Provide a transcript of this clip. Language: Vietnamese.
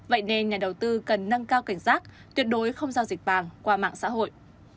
vậy nên nhà đầu tư cần nâng cao cảnh giác tuyệt đối không giao dịch vàng qua mạng xã hội